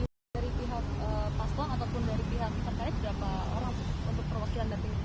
berapa orang untuk perwakilan datang